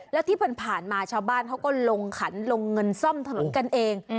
แล้วที่ผ่านมาชาวบ้านเขาก็ลงขันลงเงินซ่อมถนนกันเอง